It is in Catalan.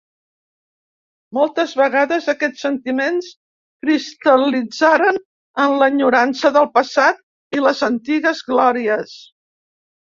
Moltes vegades, aquests sentiments cristal·litzaren en enyorança del passat i les antigues glòries.